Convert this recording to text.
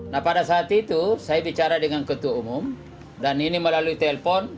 nah pada saat itu saya bicara dengan ketua umum dan ini melalui telepon